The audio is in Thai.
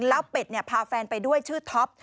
แล้วเป็ดพาแฟนไปด้วยชื่อท็อป